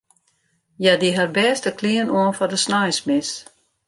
Hja die har bêste klean oan foar de sneinsmis.